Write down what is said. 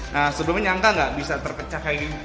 nah sebelumnya nyangka gak bisa terpecah kayak ini